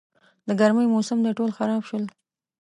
د ګرمي موسم دی، ټول خراب شول.